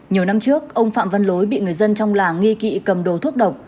nhiều năm trước ông phạm văn lối bị người dân trong làng nghi kỵ cầm đồ thuốc độc